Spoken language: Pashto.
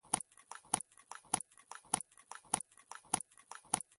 او نه یې هم د سکرین سور کیدل ولیدل